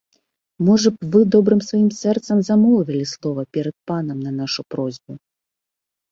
Можа б вы добрым сваім сэрцам замовілі слова перад панам на нашу просьбу.